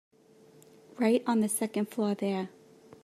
Right on the second floor there.